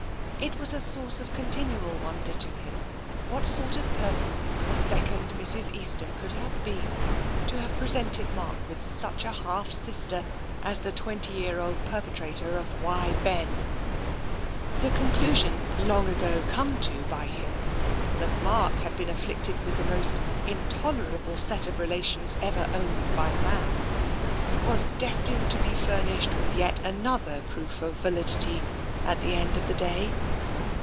It was a source of continual wonder to him, what sort of a person the second Mrs. Easter could have been, to have presented Mark with such a half sister as the twenty year old perpetrator of " Why, Ben !" The conclusion long ago come to by him, that Mark had been afflicted with the most intolerable set of rela tions ever owned by man, was destined to be furnished with yet another proof of validity at the end of the day.